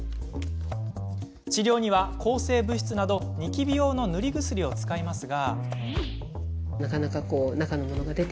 治療には抗生物質などニキビ用の塗り薬を使いますが。